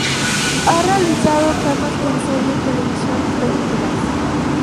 Ha realizado cameos en series de televisión y películas.